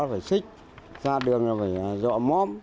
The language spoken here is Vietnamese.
phải xích ra đường là phải dọ móm